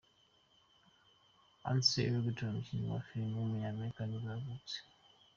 Ansel Elgort, umukinnyi wa filime w’umunyamerika nibwo yavutse.